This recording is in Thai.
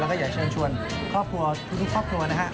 แล้วก็อยากเชิญชวนครอบครัวทุกครอบครัวนะฮะ